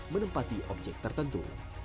menempati objek tertentu